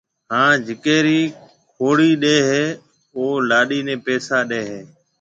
ھان جڪيَ رَي کوڙَي ڏَي ھيََََ او لاڏِي نيَ پيسا ڏَي ھيََََ